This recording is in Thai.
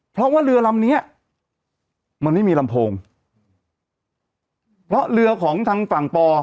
เพราะว่าเรือลำเนี้ยมันไม่มีลำโพงเพราะเรือของทางฝั่งปอ